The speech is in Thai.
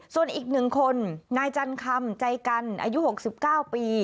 ส่วนอีกหนึ่งคนนายจันคำจัยกันอายุ๖๙ปี